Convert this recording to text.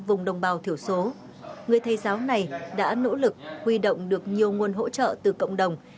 vùng đồng bào thiểu số người thầy giáo này đã nỗ lực huy động được nhiều nguồn hỗ trợ từ cộng đồng